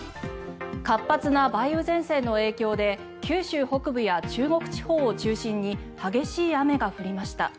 活発な梅雨前線の影響で九州北部や中国地方を中心に激しい雨が降りました。